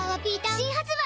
新発売